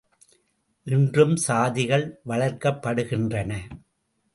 இன்றும் சாதிகள் வளர்க்கப்படுகின்றன!